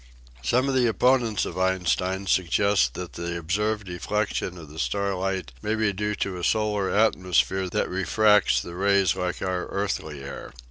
Some of the opponents of Einstein suggest that the observed deflection of the starlight may be due to a solar atmosphere that refracts the rays like our earthly air.